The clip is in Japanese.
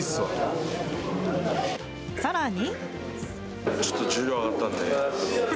さらに。